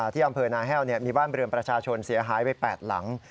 ที่อำเภอนาแห้วมีบ้านเรือนประชาชนเสียหายไป๘หลัง